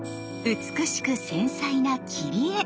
美しく繊細な切り絵！